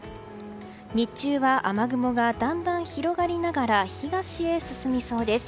日中は雨雲がだんだん広がりながら東へ進みそうです。